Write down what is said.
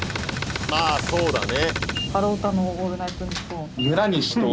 まあそうだね。